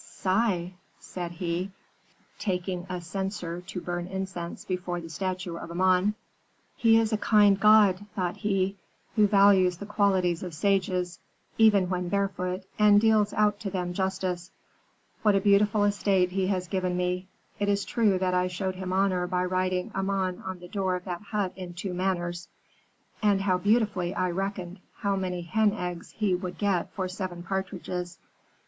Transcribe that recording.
"'Sigh!' said he, taking a censer to burn incense before the statue of Amon. "'He is a kind god,' thought he, 'who values the qualities of sages, even when barefoot, and deals out to them justice. What a beautiful estate he has given me! It is true that I showed him honor by writing Amon on the door of that hut in two manners. And how beautifully I reckoned how many hen eggs he would get for seven partridges.